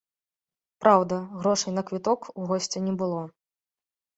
Праўда, грошай на квіток у госця не было.